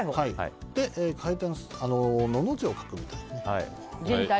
回転して、のの字を書くみたいに。